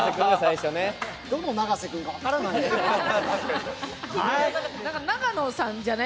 どの永瀬君か分からないな。